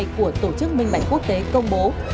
của tổ chức minh bạch quốc tế công bố